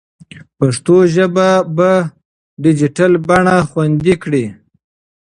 پښتو ژبه په ډیجیټل بڼه خوندي کړئ.